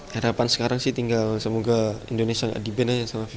harapan sekarang sih tinggal semoga indonesia nggak diban aja sama fifa